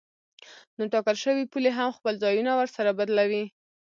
نو ټاکل شوې پولې هم خپل ځایونه ورسره بدلوي.